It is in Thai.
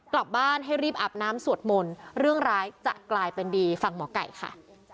กลับบ้านให้รีบอาบน้ำสวดมนต์เรื่องร้ายจะกลายเป็นดีฟังหมอไก่ค่ะ